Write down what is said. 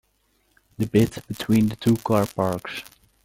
The bit between the two car parks?